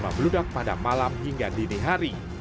membludak pada malam hingga dini hari